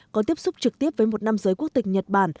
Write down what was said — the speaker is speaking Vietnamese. có tiếp xúc trực tiếp với một nam giới quốc tịch nhật bản